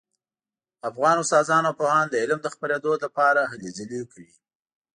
افغان استادان او پوهان د علم د خپریدو لپاره هلې ځلې کوي